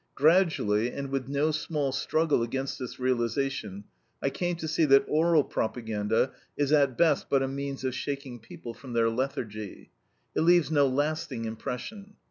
Gradually, and with no small struggle against this realization, I came to see that oral propaganda is at best but a means of shaking people from their lethargy: it leaves no lasting impression.